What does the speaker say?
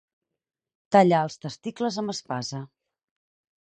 Tallar els testicles amb espasa.